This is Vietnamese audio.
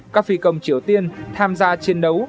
các phi công triều tiên tham gia chiến đấu